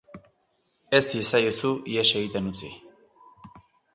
Ez iezaiozu ihes egiten utzi!